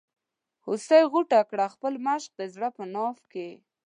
هوسۍ غوټه کړه خپل مشک د زړه په ناف کې.